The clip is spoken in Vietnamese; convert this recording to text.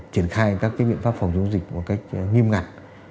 triển khai các biện pháp phòng chống dịch một cách nghiêm ngặt